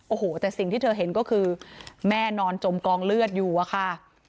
โอ้โหแต่สิ่งที่เธอเห็นก็คือแม่นอนจมกองเลือดอยู่อะค่ะ